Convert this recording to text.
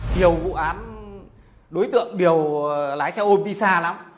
điều vụ án đối tượng điều lái xe ôm đi xa lắm